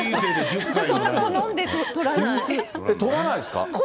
取らないですか？